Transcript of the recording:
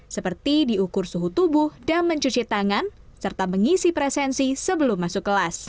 seperti diukur suhu tubuh dan mencuci tangan serta mengisi presensi sebelum masuk kelas